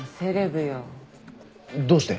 どうして？